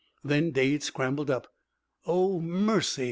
Then Dade scrambled up. "Oh, mercy!"